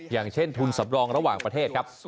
อย่างเช่นทุนสำรองระหว่างประเทศครับ